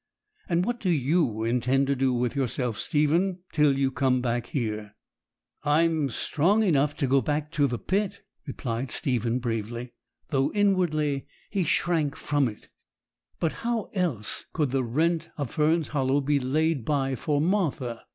And what do you intend to do with yourself, Stephen, till you come back here?' 'I'm strong enough to go back to the pit,' replied Stephen bravely, though inwardly he shrank from it; but how else could the rent of Fern's Hollow be laid by for Martha?